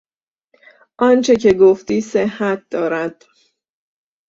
آنچه که گفتی صحت دارد.